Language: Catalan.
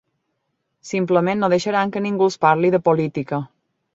Simplement no deixaran que ningú els parli de política.